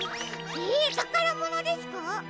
ええたからものですか？